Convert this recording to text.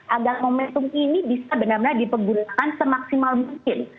agar momentum ini bisa benar benar dipergunakan semaksimal mungkin